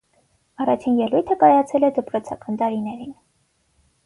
Առաջին ելույթը կայացել է դպրոցական տարիներին։